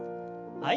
はい。